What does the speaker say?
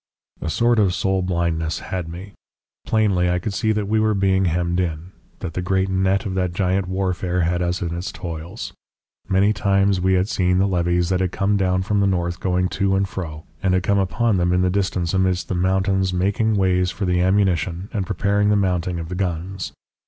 "A sort of soul blindness had me. Plainly I could see that we were being hemmed in; that the great net of that giant Warfare had us in its toils. Many times we had seen the levies that had come down from the north going to and fro, and had come upon them in the distance amidst the mountains making ways for the ammunition and preparing the mounting of the guns.